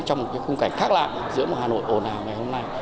trong một cái khung cảnh khác lạ giữa một hà nội ồn ào ngày hôm nay